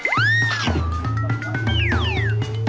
โอเค